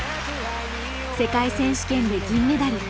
世界選手権で銀メダル。